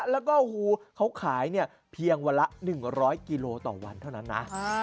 แล้วก็ฮูเขาขายเนี่ยเพียงวันละ๑๐๐กิโลต่อวันเท่านั้นนะ